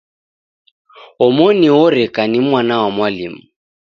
Omoni oreka ni mwana wa mwalimu.